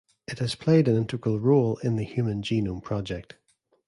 It has played an integral role in the Human Genome Project.